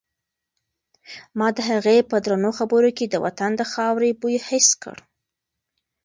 ما د هغې په درنو خبرو کې د وطن د خاورې بوی حس کړ.